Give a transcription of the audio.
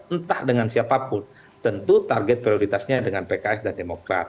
entah dengan siapapun tentu target prioritasnya dengan pks dan demokrat